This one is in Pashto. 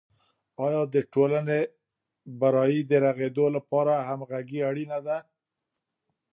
آیا د ټولني برایې د رغیدو لپاره همغږي اړینه ده؟